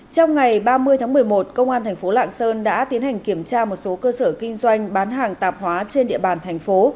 trong ngày ba mươi tháng một mươi một công an thành phố lạng sơn đã tiến hành kiểm tra một số cơ sở kinh doanh bán hàng tạp hóa trên địa bàn thành phố